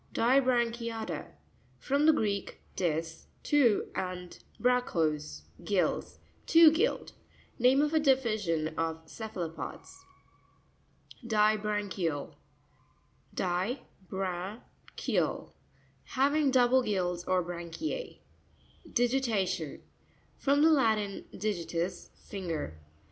Di'srancuta'tTa. — From the Greek, dis, two, and bragchos, gills—two gilled. Name of a division of ce phalopods. Disra'ncurau (di bra'nk eal).— Hav ing double gills or branchie. Dieira'tion.—From the Latin, digi ius, finger.